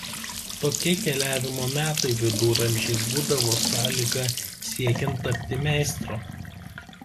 Tokie keliavimo metai Viduramžiais būdavo sąlyga siekiant tapti meistru.